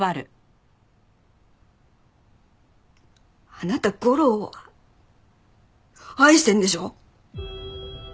あなた吾良を愛してるんでしょ？